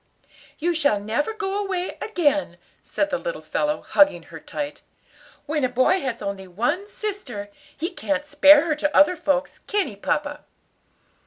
"You shall never go away again," said the little fellow, hugging her tight. "When a boy has only one sister, he can't spare her to other folks, can he, papa?"